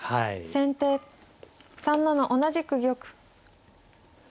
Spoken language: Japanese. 先手３七同じく玉。